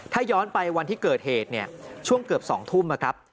ถ้าย้อนไปวันที่เกิดเหตุเนี่ยช่วงเกือบ๒ทุ่มนะครับ